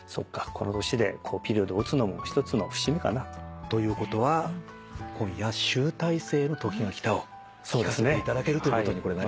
この年でピリオドを打つのも一つの節目かなと。ということは今夜集大成の『時が来た』を聴かせていただけるということになりますね。